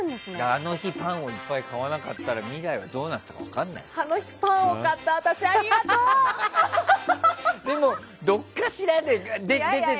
あの日パンをいっぱい買わなかったら未来がどうだったか分からない。